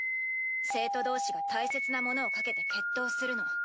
生徒同士が大切なものを賭けて決闘するの。